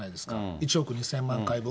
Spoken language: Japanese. １億２０００万回分。